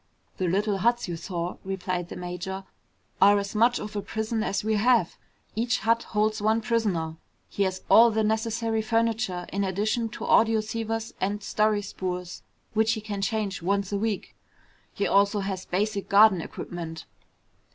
"The little huts you saw," replied the major, "are as much of a prison as we have. Each hut holds one prisoner. He has all the necessary furniture, in addition to audioceivers and story spools which he can change once a week. He also has basic garden equipment.